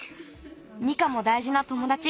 ニカもだいじなともだち。